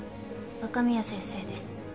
若宮先生です。